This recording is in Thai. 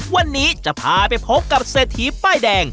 วันนี้จะพาไปพบกับเศรษฐีป้ายแดง